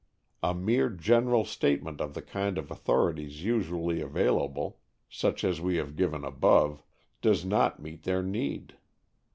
A mere general statement of the kind of authorities usually available, such as we have given above, does not meet their need.